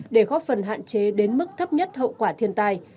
để góp phần hạn chế đến mức thấp nhất hậu quả thiên tai